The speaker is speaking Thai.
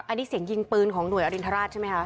อันนี้เสียงยิงปืนของหน่วยอรินทราชใช่ไหมคะ